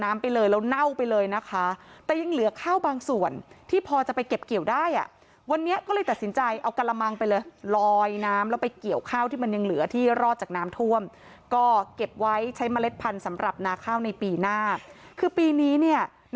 ไอ้ส่วนที่จะไปเก็บเกี่ยวได้จะไปยังไงดี